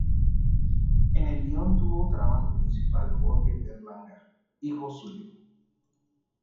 En el guion tuvo un trabajo principal Jorge Berlanga, hijo suyo.